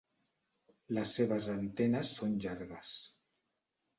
Les seves antenes són llargues.